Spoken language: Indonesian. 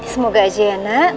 semoga aja ya nak